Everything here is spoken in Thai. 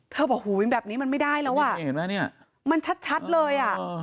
เธอบอกว่าหูยแบบนี้มันไม่ได้แล้วมันชัดเลย